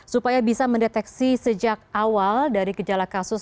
supaya bisa mendeteksi sejak awal dari gejala kasus